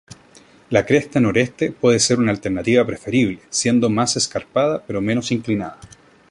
La cresta noreste puede ser una alternativa preferible, siendo más escarpada pero menos inclinada.